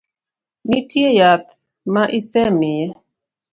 Nitie yath ma isemiye?